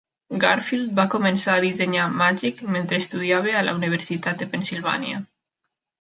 Garfield va començar a dissenyar "Magic" mentre estudiava a la Universitat de Pennsilvània.